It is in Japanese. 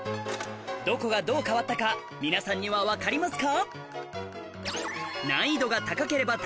どこがどう変わったか皆さんには分かりますか？